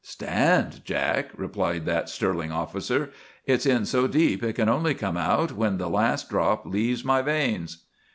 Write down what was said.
"Stand, Jack?" replied that sterling officer, "it's in so deep it can only come out when the last drop leaves my veins."